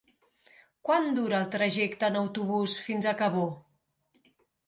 Quant dura el trajecte en autobús fins a Cabó?